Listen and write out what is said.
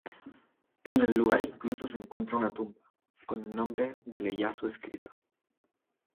En el lugar incluso se encuentra una tumba, con el nombre de Ieyasu escrito.